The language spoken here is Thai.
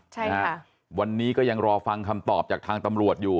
ใช่ค่ะวันนี้ก็ยังรอฟังคำตอบจากทางตำรวจอยู่